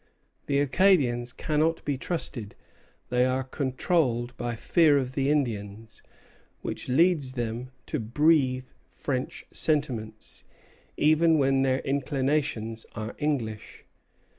"The Acadians cannot be trusted; they are controlled by fear of the Indians, which leads them to breathe French sentiments, even when their inclinations are English.